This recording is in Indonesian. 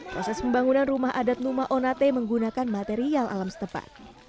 proses pembangunan rumah adat numa onate menggunakan material alam setempat